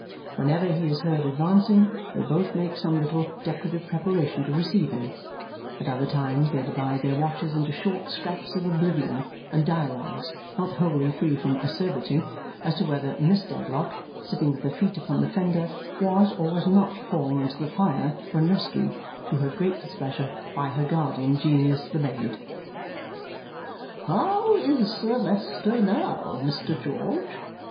Whenever he is heard advancing, they both make some little decorative preparation to receive him; at other times they divide their watches into short scraps of oblivion and dialogues not wholly free from acerbity, as to whether Miss Dedlock, sitting with her feet upon the fender, was or was not falling into the fire when rescued (to her great displeasure) by her guardian genius the maid. "How is Sir Leicester now, Mr. George?"